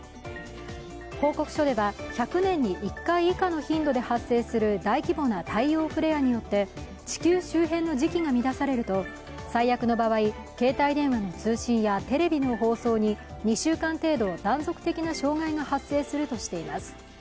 報告書では１００年に１回以下の頻度で発生する大規模な太陽フレアによって地球周辺の磁気が乱されると最悪の場合、携帯電話の通信やテレビの放送に２週間程度、断続的な障害が発生するとしています。